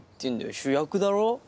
主役だろ。